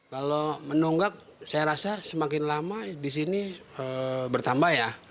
kalau menunggak saya rasa semakin lama di sini bertambah ya